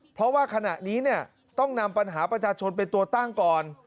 เพราะว่าขณะนี้เนี่ยต้องนำปัญหาประชาชนเป็นตัวตั้งก่อน